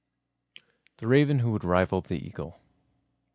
The Raven Who Would Rival The Eagle.